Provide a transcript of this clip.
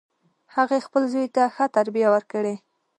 هغې خپل زوی ته ښه تربیه ورکړي